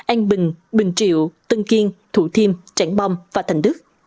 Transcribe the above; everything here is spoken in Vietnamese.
an bình bình triệu tân kiên thủ thiêm trảng bom và thành đức